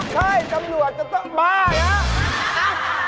ใช่ตำรวจจะต้องบ้านะ